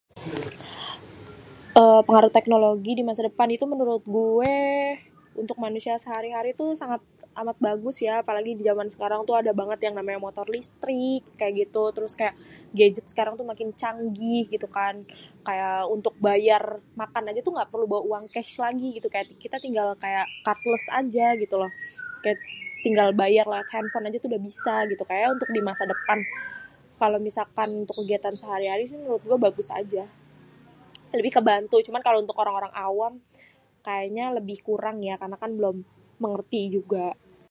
ééé pengaruh teknologi dimasa depan itu menurut gué. Untuk manusia sehari-hari tuh sangat amat bagus ya apalagi di zaman sekarang tuh ada banget yang namanya motor listrik kaya gitu, terus kaya gadget sekarang semakin canggih gitu kan, kaya untuk bayar makan aja tuh ga perlu bawa uang cash lagi gitu kan kita tinggal crad plus aja gituloh tinggal bayar lewat Handphone aja tuh udah bisa kayanya untuk dimasa depan kalau misalkan untuk kegiatan sehari-hari menurut gué bagus aja lebih kebatun cuman kalo untuk orang-orang awam kayanya lebih kurang ya karena belom mengerti juga.